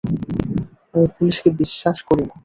আমি পুলিশকে বিশ্বাস করি না।